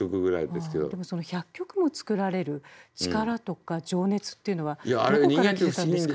でもその１００曲も作られる力とか情熱っていうのはどこから来てたんですか？